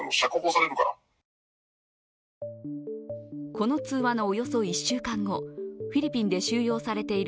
この通話のおよそ１週間後、フィリピンで収容されている